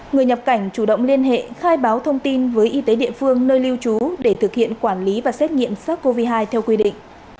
người nhập cảnh chủ động liên hệ khai báo thông tin với y tế địa phương nơi lưu trú để thực hiện quản lý và xét nghiệm sars cov hai theo quy định